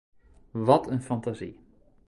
Wat een fantasie.